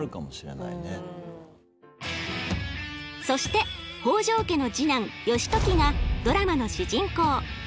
そして北条家の次男義時がドラマの主人公。